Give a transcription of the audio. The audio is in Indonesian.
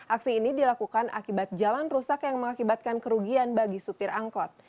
aksi ini dilakukan akibat jalan rusak yang mengakibatkan kerugian bagi supir angkot